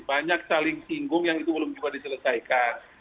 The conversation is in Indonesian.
banyak saling singgung yang itu belum juga diselesaikan